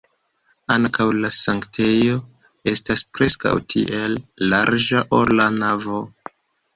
Ankaŭ la sanktejo estas preskaŭ tiel larĝa, ol la navo.